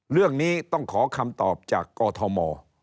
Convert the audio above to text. เรื่องนี้ต้องขอคำตอบจากกอทม